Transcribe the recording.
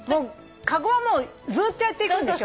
籠はずっとやっていくんでしょ？